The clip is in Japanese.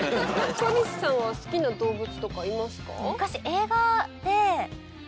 小西さんは好きな動物とかいますか？